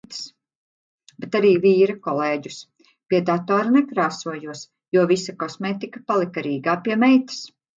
Bet arī vīra kolēģus. Pie datora nekrāsojos, jo visa kosmētika palika Rīgā pie meitas.